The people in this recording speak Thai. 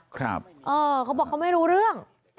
เขาบอกเขาไม่รู้เรื่อง